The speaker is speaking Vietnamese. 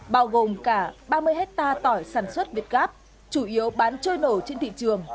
bao gồm cả ba mươi hectare tỏi sản xuất việt ráp chủ yếu bán trôi nổ trên thị trường